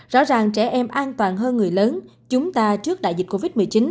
rõ ràng trẻ em an toàn hơn người lớn chúng ta trước đại dịch covid một mươi chín